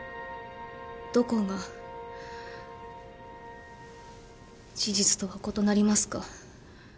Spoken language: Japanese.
どこが事実とは異なりますか？